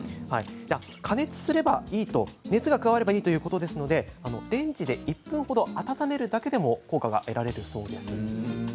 加熱をすればいいということで熱が加わればいいということですのでレンジで１分ほど温めるだけでも効果が得られるそうです。